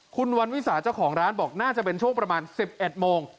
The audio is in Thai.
คุณวันวิสาเจ้าของร้านบอกน่าจะเป็นช่วงประมาณ๑๑โมง